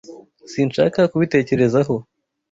Sinshaka kubitekerezaho.